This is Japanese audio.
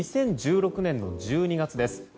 ２０１６年の１２月です。